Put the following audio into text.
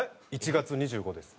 １月２５です。